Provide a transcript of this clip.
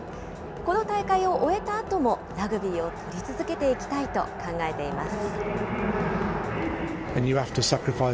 この大会を終えたあとも、ラグビーを撮り続けていきたいと考えています。